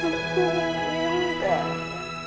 aku mau intan